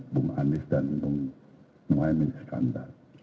bung anies dan bung muhaymin iskandar